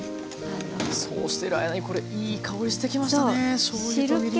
そうしている間にこれいい香りしてきましたね